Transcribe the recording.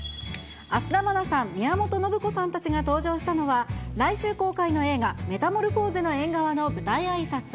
芦田愛菜さん、宮本信子さんたちが登場したのは、来週公開の映画、メタモルフォーゼの縁側の舞台あいさつ。